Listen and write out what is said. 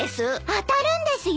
当たるんですよ。